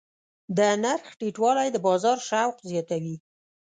د نرخ ټیټوالی د بازار شوق زیاتوي.